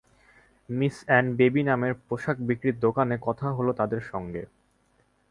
Miss and baby নামের পোশাক বিক্রির দোকানে কথা হলো তাঁদের সঙ্গে।